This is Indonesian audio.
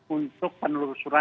untuk penelusuran kontak